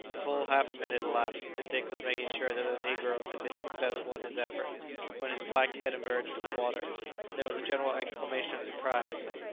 Full half a minute elapsed, and Dick was making sure that the negro had been successful in his effort, when his black head emerged from the water. There was a general exclamation of surprise.